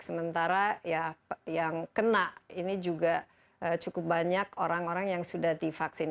sementara ya yang kena ini juga cukup banyak orang orang yang sudah divaksin